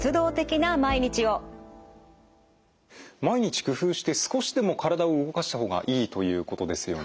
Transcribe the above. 毎日工夫して少しでも体を動かした方がいいということですよね？